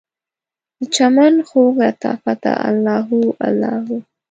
دچمن خوږ لطافته، الله هو الله هو